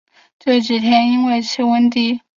这几天因为气温低